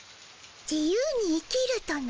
自由に生きるとな。